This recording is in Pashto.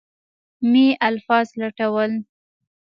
مې الفاظ لټول.